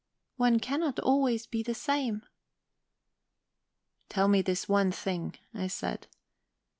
"One cannot always be the same..." "Tell me this one thing," I said.